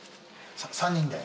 ３人で？